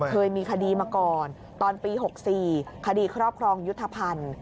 เคยมีคดีมาก่อนตอนปี๖๔คดีครอบครองยุทธภัณฑ์